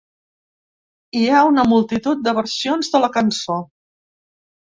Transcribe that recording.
Hi ha una multitud de versions de la cançó.